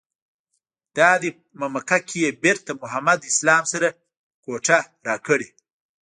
دادی مکه کې یې بېرته محمد اسلام سره کوټه راکړې.